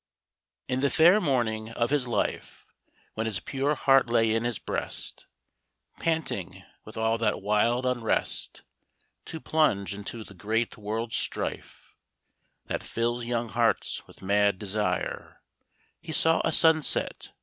In the fair morning of his life, When his pure heart lay in his breast, Panting, with all that wild unrest To plunge into the great world's strife That fills young hearts with mad desire, He saw a sunset.